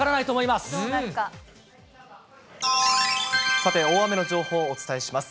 さて、大雨の情報をお伝えします。